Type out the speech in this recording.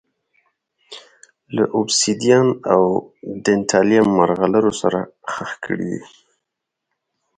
له اوبسیدیان او ډینټالیم مرغلرو سره ښخ کړي دي